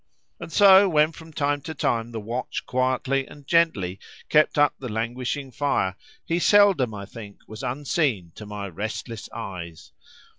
And so when from time to time the watch quietly and gently kept up the languishing fire, he seldom, I think, was unseen to my restless eyes.